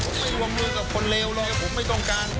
ผมไม่วงมือกับคนเลวเลยผมไม่ต้องการ